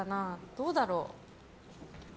どうだろう。